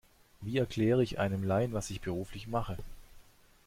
Wie erkläre ich einem Laien, was ich beruflich mache?